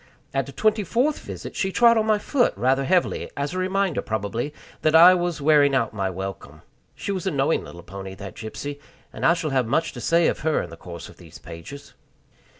At the twenty fourth visit she trod on my foot rather heavily, as a reminder, probably, that I was wearing out my welcome. She was a knowing little pony, that Gypsy, and I shall have much to say of her in the course of these pages.